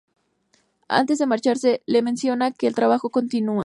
Antes de marcharse, le menciona que "el trabajo continúa".